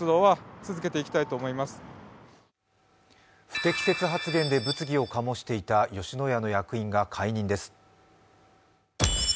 不適切発言で物議を醸していた吉野家の役員が解任です。